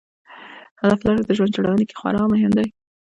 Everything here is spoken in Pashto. هدف لرل د ژوند جوړونې کې خورا مهم دی.